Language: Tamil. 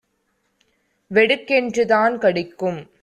வெடுக்கென்று தான் கடிக்கும்.